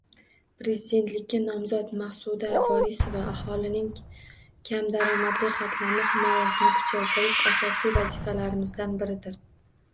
Prezidentlikka nomzod Maqsuda Vorisova: “Aholining kam daromadli qatlami himoyasini kuchaytirish asosiy vazifalarimizdan biridir”